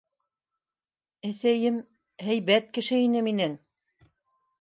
- Әсәйем... һәйбәт кеше ине минең...